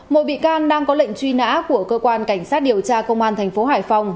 một bị can đang có lệnh truy nã của cơ quan cảnh sát điều tra công an thành phố hải phòng